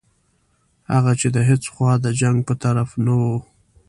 هغه چې د هیڅ خوا د جنګ په طرف نه وو.